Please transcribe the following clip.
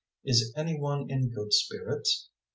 Is any one in good spirits?